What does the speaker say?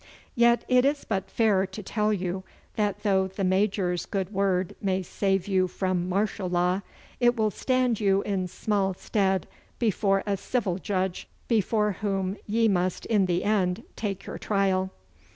Yet it is but fair to tell you that though the Major's good word may save you from martial law, it will stand you in small stead before a civil judge, before whom ye must in the end take your trial.